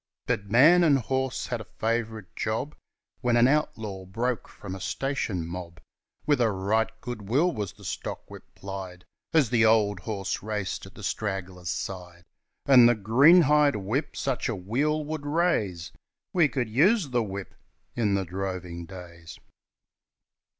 But man and horse had a favourite job, When an outlaw broke from a station mob, With a right good will was the stockwhip plied, As the old horse raced at the straggler's side, And the greenhide whip such a weal would raise, We could use the whip in the droving days.